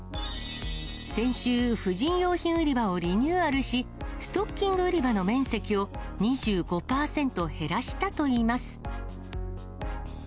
先週、婦人用品売り場をリニューアルし、ストッキング売り場の面積を２５％減らしたといいます。